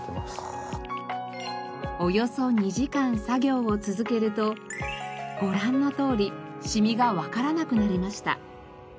およそ２時間作業を続けるとご覧のとおりしみがわからなくなりました。